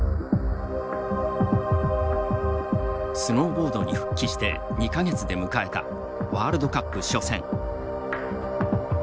スノーボードに復帰して２か月で迎えたワールドカップ初戦。